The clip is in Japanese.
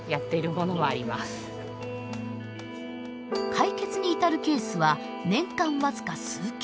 解決に至るケースは年間僅か数件。